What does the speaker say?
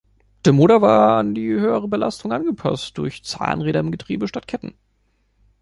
Der Motor war an die höhere Belastung angepasst durch Zahnräder im Getriebe statt Ketten.